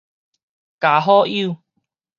加好友